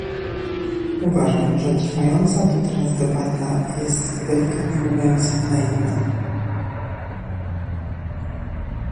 Uważam, że trwająca tu teraz debata jest delikatnie mówiąc naiwna